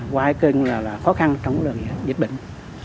qua cái kênh là khó khăn trong lần dịch bệnh